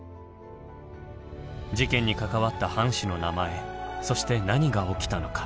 事件に関わった藩士の名前そして何が起きたのか。